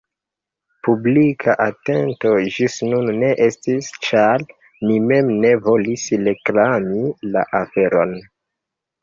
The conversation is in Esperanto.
Publika atento ĝis nun ne estis, ĉar ni mem ne volis reklami la aferon.